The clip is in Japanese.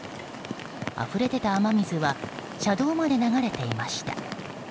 あふれ出た雨水は車道まで流れていました。